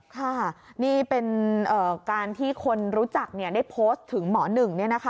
ค่ะนี่เป็นการที่คนรู้จักได้โพสต์ถึงหมอหนึ่ง